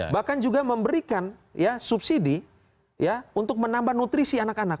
bahkan juga memberikan subsidi untuk menambah nutrisi anak anak